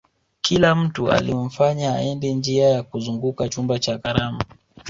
kila mtu alimfanya aende njia ya kuzunguka chumba cha karamu